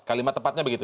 kalimat tepatnya begitu